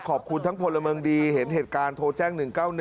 ขอบคุณทั้งพลเมืองดีเห็นเหตุการณ์โทรแจ้ง๑๙๑